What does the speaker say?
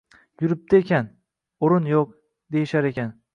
yuribdi ekan. O’rin yo‘q, deyishar ekan.